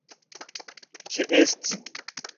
ĉeesti